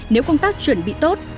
nếu công tác chuẩn bị tốt